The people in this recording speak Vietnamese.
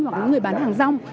hoặc là người bán hàng rong